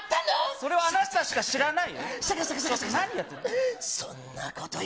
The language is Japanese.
それはあなたしか知らないよ。